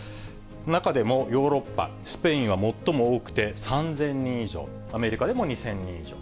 中でもヨーロッパ、スペインは最も多くて３０００人以上、アメリカでも２０００人以上。